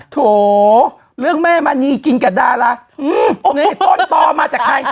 โถเรื่องแม่มณีกินกับดารานี่ต้นต่อมาจากใคร